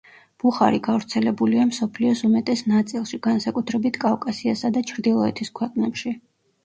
ბუხარი გავრცელებულია მსოფლიოს უმეტეს ნაწილში, განსაკუთრებით კავკასიასა და ჩრდილოეთის ქვეყნებში.